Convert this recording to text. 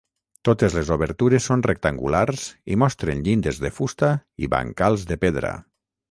Totes les obertures són rectangulars i mostren llindes de fusta i bancals de pedra.